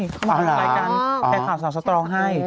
เข้ามาทำรายการแข่งข่าวสาวสตรองให้